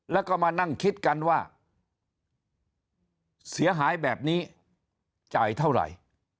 แล้วก็มานั่งคิดกันว่าเสียหายแบบนี้จ่ายเท่าไหร่